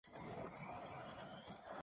Es común que se le denomine Padre General.